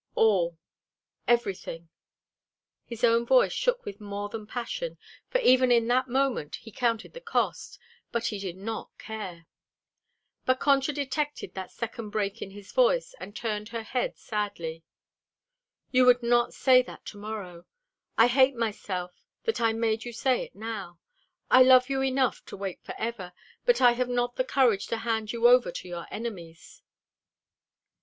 "All everything." His own voice shook with more than passion, for even in that moment he counted the cost, but he did not care. But Concha detected that second break in his voice, and turned her head sadly. "You would not say that to morrow. I hate myself that I made you say it now. I love you enough to wait forever, but I have not the courage to hand you over to your enemies."